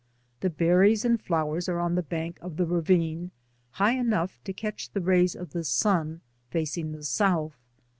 The berries and flowers are on the bank of the ravine, high enough to catch the rays of the sun, facing the south.